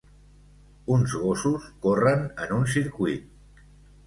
Uns gossos corren en un circuit